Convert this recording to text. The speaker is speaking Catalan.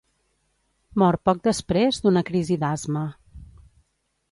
Mor poc després d'una crisi d'asma.